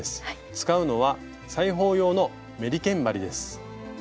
使うのは裁縫用のメリケン針です。